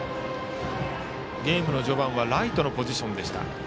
ゲームの序盤はライトのポジションでした。